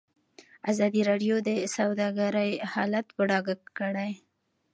ازادي راډیو د سوداګري حالت په ډاګه کړی.